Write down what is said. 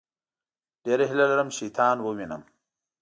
ډېره هیله لرم چې شیطان ووينم.